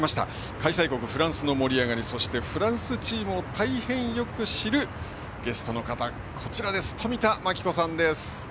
開催国フランスの盛り上がりそしてフランスチームを大変よく知るゲストの方冨田真紀子さんです。